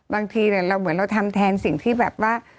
บางทีเราเหมือนเราทำแทนสิ่งที่แบบว่า